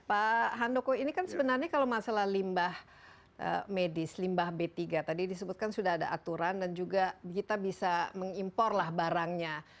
pak handoko ini kan sebenarnya kalau masalah limbah medis limbah b tiga tadi disebutkan sudah ada aturan dan juga kita bisa mengimpor lah barangnya